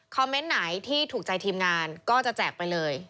เมนต์ไหนที่ถูกใจทีมงานก็จะแจกไปเลย